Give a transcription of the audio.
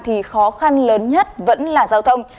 thì khó khăn lớn nhất vẫn là giao thông